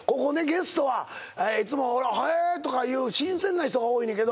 ゲストは「へー」とかいう新鮮な人が多いねんけど